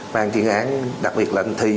ban chuyên án đặc biệt là anh thi